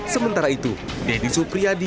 sementara itu deddy supriyadi